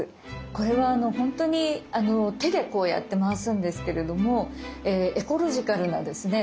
これはほんとに手でこうやって回すんですけれどもエコロジカルなですね